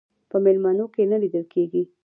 په میلمنو کې نه لیدل کېږي.